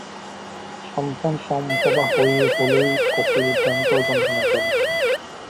সন্তানসম্ভবা হলেই কফিল ভয়ংকর যন্ত্রণা করে।